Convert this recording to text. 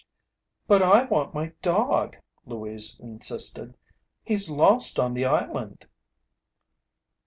"But I want my dog," Louise insisted. "He's lost on the island."